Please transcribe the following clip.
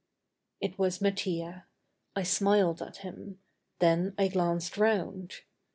It was Mattia. I smiled at him, then I glanced round.